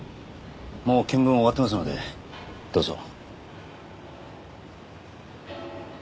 もう見分は終わってますのでどうぞ。